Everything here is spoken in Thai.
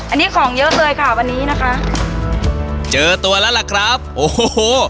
อันนี้ของเยอะเลยค่ะวันนี้นะคะเจอตัวแล้วล่ะครับโอ้โห